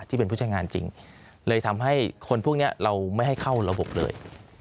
ผู้เป็นผู้ใช้งานจริงเลยทำให้คนพวกนี้เราไม่ให้เข้าระบบเลย